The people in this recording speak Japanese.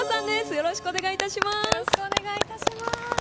よろしくお願いします。